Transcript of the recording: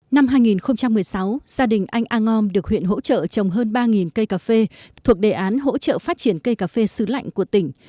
năm hai nghìn một mươi sáu gia đình anh a ngom được huyện hỗ trợ trồng hơn ba cây cà phê thuộc đề án hỗ trợ phát triển cây cà phê sứ lạnh của tỉnh